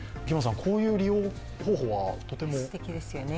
こういう利用方法はとてもすてきですよね。